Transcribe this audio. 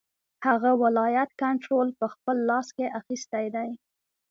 هغه ولایت کنټرول په خپل لاس کې اخیستی دی.